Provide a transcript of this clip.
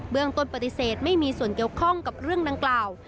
ต้นปฏิเสธไม่มีส่วนเกี่ยวข้องกับเรื่องดังกล่าว